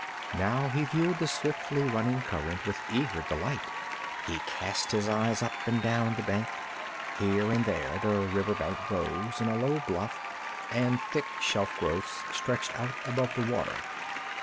Now he viewed the swiftly running current with eager delight. He cast his eyes up and down the bank. Here and there the river bank rose in a low bluff, and thick shelf growths stretched out above the water.